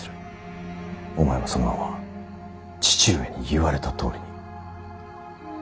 お前はそのまま父上に言われたとおりに。